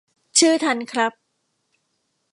ชื่อทันครับ